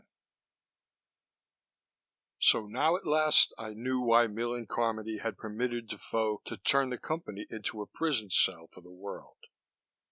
XV So now at last I knew why Millen Carmody had permitted Defoe to turn the Company into a prison cell for the world.